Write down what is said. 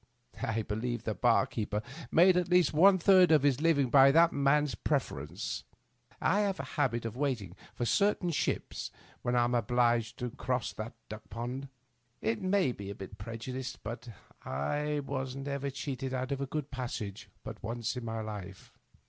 I believe the bar keeper made at least one third of his living by that man's pref erence. I have a habit of waiting for certain ships when I am obliged to cross that duck pond. It may be a preju dice, but I was never cheated out of a good passage but once in my life.